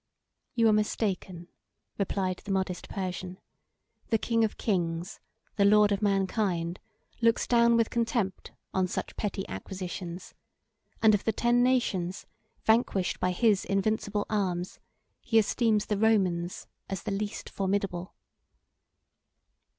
"You are mistaken," replied the modest Persian: "the king of kings, the lord of mankind, looks down with contempt on such petty acquisitions; and of the ten nations, vanquished by his invincible arms, he esteems the Romans as the least formidable."